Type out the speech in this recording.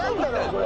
これ。